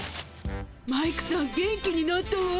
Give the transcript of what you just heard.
マイクさん元気になったわ。